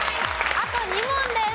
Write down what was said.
あと２問です。